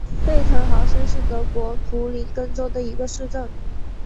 贝滕豪森是德国图林根州的一个市镇。